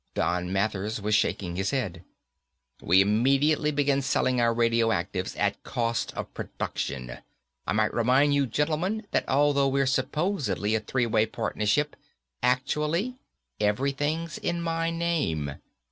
Don Mathers was shaking his head. "We immediately begin selling our radioactives at cost of production. I might remind you gentlemen that although we're supposedly a three way partnership, actually, everything's in my name.